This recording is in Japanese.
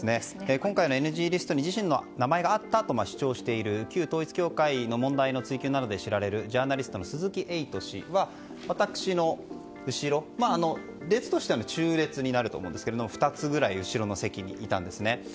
今回のＮＧリストに自身の名前があったと主張している旧統一教会の問題などで知られるジャーナリストの鈴木エイト氏は私の後ろ列としては中列２つぐらい後ろの席にいました。